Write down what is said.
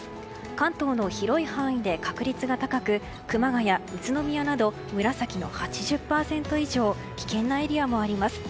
関東の広い範囲で確率が高く熊谷、宇都宮など紫の８０％以上危険なエリアもあります。